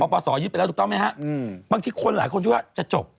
ปศยึดไปแล้วถูกต้องไหมฮะบางทีคนหลายคนคิดว่าจะจบ